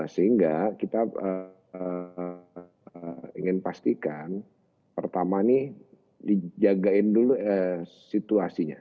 sehingga kita ingin pastikan pertama ini dijagain dulu situasinya